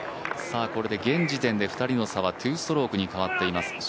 これで現時点で２人の差は２ストロークに変わっています。